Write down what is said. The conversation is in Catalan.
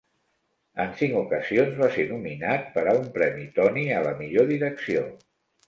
En cinc ocasions va ser nominat per a un premi Tony a la millor direcció.